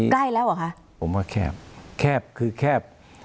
ใกล้แล้วเหรอคะผมว่าแคบแคบคือแคบ